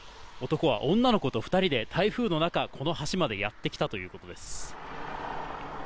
男は女の子と２人で台風の中、この橋までやってきたということです。